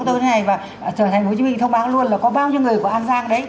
trời thành phố hồ chí minh thông báo luôn là có bao nhiêu người của an giang